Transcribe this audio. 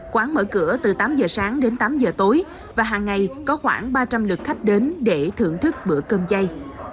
quán mở cửa từ tám giờ sáng đến tám giờ tối và hàng ngày có khoảng ba trăm linh lượt khách đến để thưởng thức bữa cơm chay